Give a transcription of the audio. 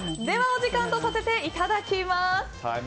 ではお時間とさせていただきます。